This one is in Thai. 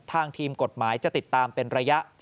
ทางทีมกฎหมายจะติดตามเป็นระยะ